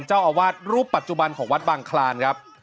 เจ้าอาวาสรูปปัจจุบันของวัดบางคลานครับ